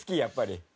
やっぱり。